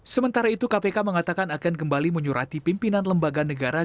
sementara itu kpk mengatakan akan kembali menyurati pimpinan lembaga negara